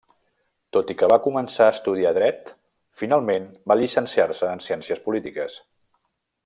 Tot i que va començar a estudiar Dret finalment va llicenciar-se en Ciències polítiques.